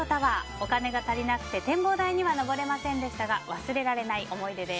お金が足りなくて展望台には上れませんでしたが忘れられない思い出です。